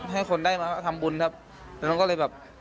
ให้คนได้มาทำบุญครับ